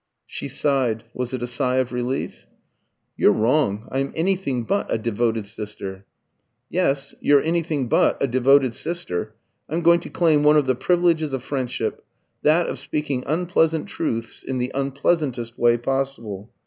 She sighed (was it a sigh of relief?). "You're wrong. I'm anything but a devoted sister." "Yes, you're anything but a devoted sister. I'm going to claim one of the privileges of friendship that of speaking unpleasant truths in the unpleasantest way possible."